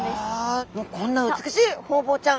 こんな美しいホウボウちゃん